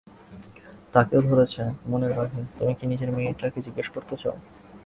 তাকেও ধরেছে মনের বাঘে তুমি কি নিজে মেয়েটাকে জিজ্ঞেস করতে চাও?